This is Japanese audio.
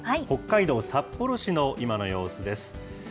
北海道札幌市の今の様子です。